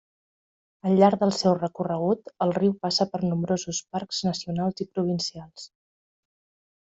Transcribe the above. Al llarg del seu recorregut el riu passa per nombrosos parcs nacionals i provincials.